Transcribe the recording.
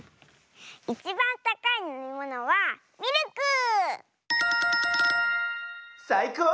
いちばんたかいのみものはミルク！さいこう！